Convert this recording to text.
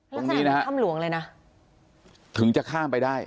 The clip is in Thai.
ตรงนี้นะฮะแล้วทำหลวงเลยนะถึงจะข้ามไปได้